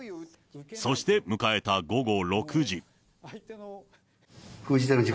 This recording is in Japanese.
そして迎えた午後６時。